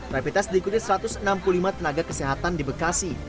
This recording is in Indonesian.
rapid test diikuti satu ratus enam puluh lima tenaga kesehatan di bekasi